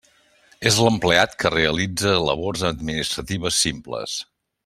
És l'empleat que realitza labors administratives simples.